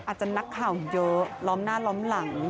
อาจจะนักข่าวเยอะล้อมหน้าล้อมหลัง